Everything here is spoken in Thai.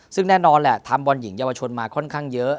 ซึ่งแน่นอนแหละทำบอลหญิงเยาวชนมาค่อนข้างเยอะ